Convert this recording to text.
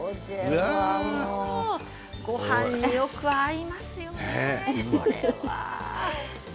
ごはんによく合いますよねこれは。